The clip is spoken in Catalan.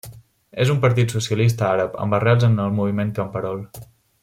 És un partit socialista àrab, amb arrels en el moviment camperol.